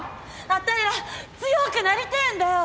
あたいら強くなりてえんだよ！